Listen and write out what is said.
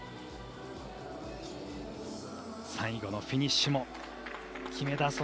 最後のフィニッシュも決めた。